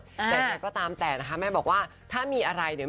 แต่ยังไงก็ตามแต่นะคะแม่บอกว่าถ้ามีอะไรเนี่ย